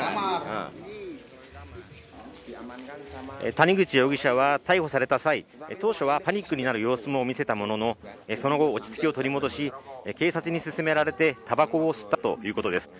谷口容疑者は逮捕された際、当初はパニックになる様子も見せたものの、その後、落ち着きを取り戻し、警察に勧められてたばこを吸ったということです。